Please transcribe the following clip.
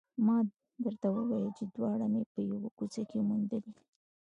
ما درته وویل چې دواړه مې په یوه کوڅه کې موندلي